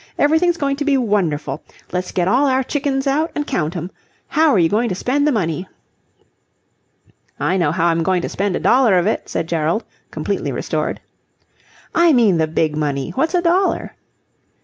Everything's going to be wonderful. Let's get all our chickens out and count 'em. How are you going to spend the money?" "I know how I'm going to spend a dollar of it," said Gerald completely restored. "I mean the big money. What's a dollar?"